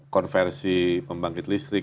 konversi pembangkit listrik